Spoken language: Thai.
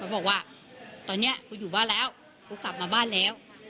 บอกว่าตอนนี้กูอยู่บ้านแล้วกูกลับมาบ้านแล้ว